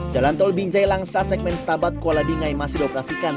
jalan tol binjai langsa segmen stabat kuala bingai masih dioperasikan